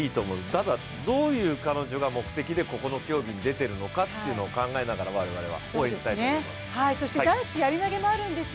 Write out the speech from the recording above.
ただ、どういう目的で彼女がここの競技に出ているのかを考えながら我々は応援したいと思います。